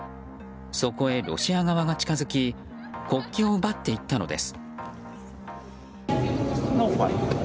そこへ、ロシア側が近づき国旗を奪っていったのです。